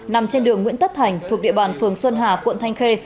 nằm trên đường nguyễn tất thành thuộc địa bàn phường xuân hà quận thanh khê